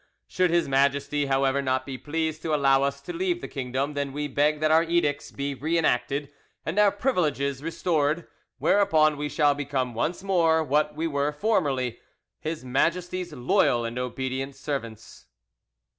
Should His Majesty, however, not be pleased to allow us to leave the kingdom, then we beg that our edicts be re enacted and our privileges restored, whereupon we shall become once more, what we were formerly, His Majesty's loyal and obedient servants."